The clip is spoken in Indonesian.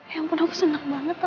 ya ampun aku seneng banget